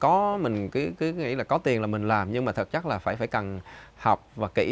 có mình cứ nghĩ là có tiền là mình làm nhưng mà thật chắc là phải cần học và kỹ